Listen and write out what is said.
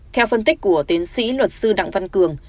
theo phân tích của tiến sĩ luật sư đặng văn cường